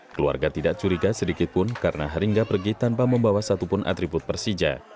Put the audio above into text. keluarga tidak curiga sedikit pun karena haringga pergi tanpa membawa satupun atribut persija